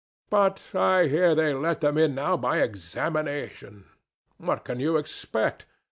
But I hear they let them in now by examination. What can you expect?